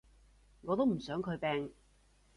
我都唔想佢病